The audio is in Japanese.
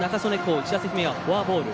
１打席目はフォアボール。